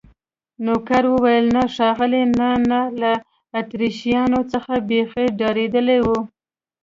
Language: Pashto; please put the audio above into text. نوکر وویل: نه ښاغلي، نه، نه، له اتریشیانو څخه بیخي ډارېدلی و.